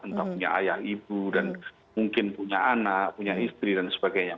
entah punya ayah ibu dan mungkin punya anak punya istri dan sebagainya